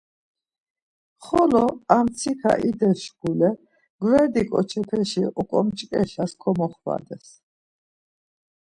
Xolo ar mtsika ides şkule gverdi ǩoçepeşi oǩomç̌ǩeşas komoxvades.